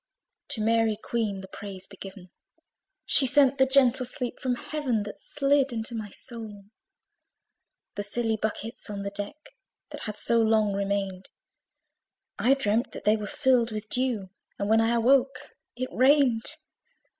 To Mary Queen the praise be given! She sent the gentle sleep from Heaven, That slid into my soul. The silly buckets on the deck, That had so long remained, I dreamt that they were filled with dew; And when I awoke, it rained.